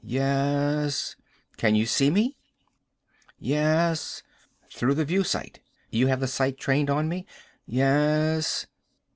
"Yes." "Can you see me?" "Yes." "Through the view sight? You have the sight trained on me?" "Yes."